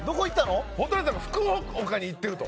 福岡に行ってると。